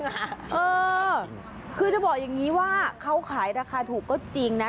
เออคือจะบอกอย่างนี้ว่าเขาขายราคาถูกก็จริงนะ